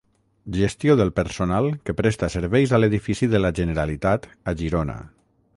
Gestió del personal que presta serveis a l'edifici de la Generalitat a Girona.